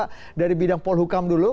kita coba dari bidang pol hukam dulu